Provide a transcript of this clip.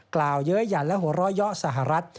กล่าวเยอะหยั่นและหัวร้อยเยาะสหรัฐ